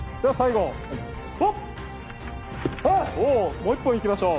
もう一本行きましょう。